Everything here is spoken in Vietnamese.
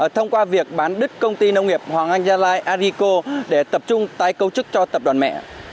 thông qua việc bán đứt công ty nông nghiệp hoàng anh gia lai arico để tập trung tái cấu trúc cho tập đoàn mẹ